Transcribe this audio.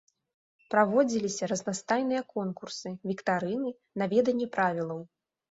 Праводзіліся разнастайныя конкурсы, віктарыны на веданне правілаў.